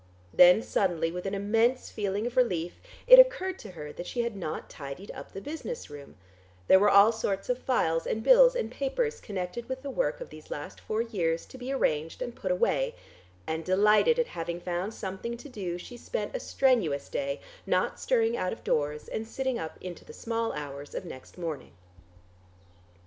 Then suddenly with an immense feeling of relief it occurred to her that she had not tidied up the business room; there were all sorts of files and bills and papers, connected with the work of these last four years, to be arranged and put away, and delighted at having found something to do she spent a strenuous day, not stirring out of doors and sitting up into the small hours of next morning.